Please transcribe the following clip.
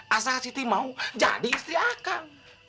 asal siti mau jadi istri akan